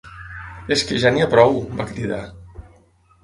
És que ja n’hi ha prou!, va cridar.